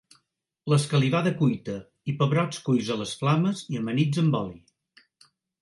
L'escalivada cuita i pebrots cuits a les flames i amanits amb oli.